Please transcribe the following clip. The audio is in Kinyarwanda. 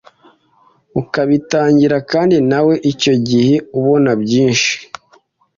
ukabitanga kandi nawe icyo gihe ubona byinshi